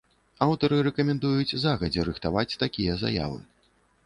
Аўтары рэкамендуюць загадзя рыхтаваць такія заявы.